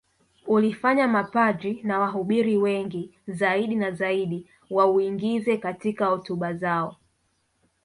Ulifanya mapadri na wahubiri wengi zaidi na zaidi wauingize katika hotuba zao